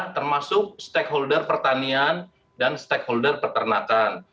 termasuk stakeholder pertanian dan stakeholder peternakan